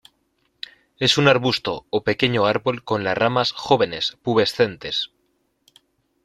Es un arbusto o pequeño árbol con las ramas jóvenes pubescentes.